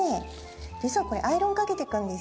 実はこれアイロンかけてくんです。